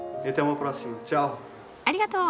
ありがとう。